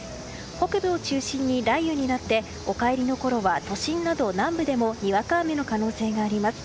北部を中心に雷雨になってお帰りのころは都心など南部でも、にわか雨の可能性があります。